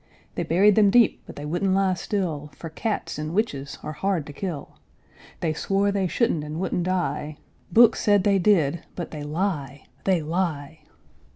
They buried them deep, but they wouldn't lie still, For cats and witches are hard to kill; They swore they shouldn't and wouldn't die, Books said they did, but they lie! they lie!